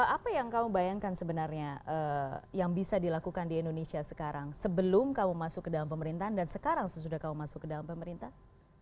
apa yang kamu bayangkan sebenarnya yang bisa dilakukan di indonesia sekarang sebelum kamu masuk ke dalam pemerintahan dan sekarang sesudah kamu masuk ke dalam pemerintahan